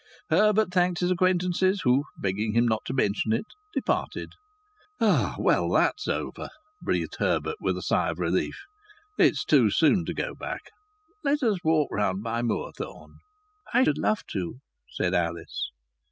Herbert thanked his acquaintances, who, begging him not to mention it, departed. "Well, that's over!" breathed Herbert with a sigh of relief. "It's too soon to go back. Let us walk round by Moorthorne." "I should love to!" said Alice.